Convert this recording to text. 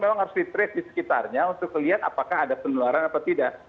memang harus di trace di sekitarnya untuk melihat apakah ada penularan atau tidak